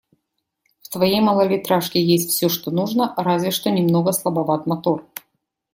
В твоей малолитражке есть всё, что нужно, разве что немного слабоват мотор.